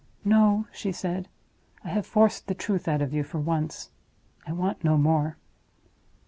"No," she said; "I have forced the truth out of you for once. I want no more."